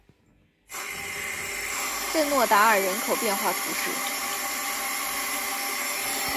圣若达尔人口变化图示